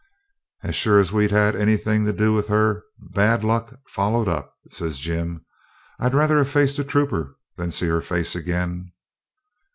'As sure as we've had anything to do with her, bad luck's followed up,' says Jim; 'I'd rather have faced a trooper than seen her face again.'